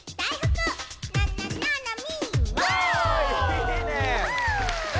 いいね！